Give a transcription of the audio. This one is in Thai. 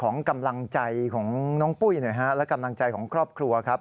ของกำลังใจของน้องปุ้ยหน่อยฮะและกำลังใจของครอบครัวครับ